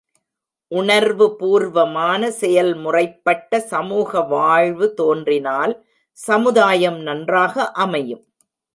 உணர்வு பூர்வமான செயல்முறைப்பட்ட சமூக வாழ்வு தோன்றினால் சமுதாயம் நன்றாக அமையும்.